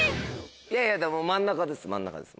いやいやもう真ん中です真ん中です。